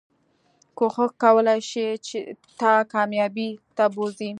کوښښ کولی شي تا کاميابی ته بوځي